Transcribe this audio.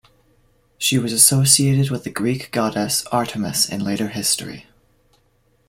She was associated with the Greek goddess Artemis in later history.